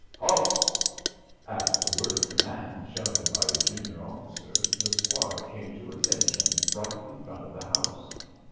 "Halt!" At the word of command shouted by a junior officer the squad came to attention right in front of the house.